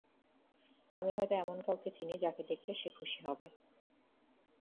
আমি হয়তো এমন কাউকে চিনি যাকে দেখলে সে খুশি হবে।